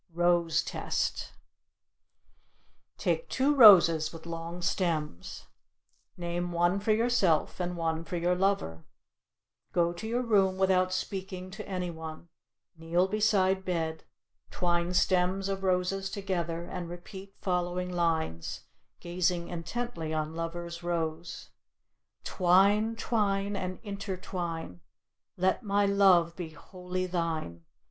ROSE TEST Take two roses with long stems. Name one for yourself and one for your lover. Go to your room without speaking to any one; kneel beside bed; twine stems of roses together, and repeat following lines, gazing intently on lover's rose: "Twine, twine, and intertwine, Let my love be wholly thine.